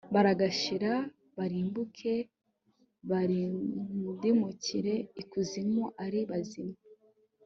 baragashira barimbuke, barindimukire ikuzimu ari bazima